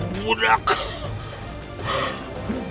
kau tidak bisa menang